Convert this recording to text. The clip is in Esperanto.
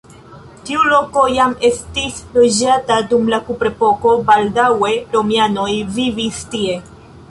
Tiu loko jam estis loĝata dum la kuprepoko, baldaŭe romianoj vivis tie.